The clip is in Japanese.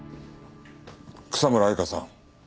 草村愛花さん